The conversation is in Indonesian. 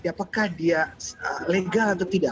apakah dia legal atau tidak